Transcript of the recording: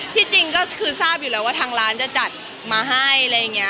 ที่จริงก็คือทราบอยู่แล้วว่าทางร้านจะจัดมาให้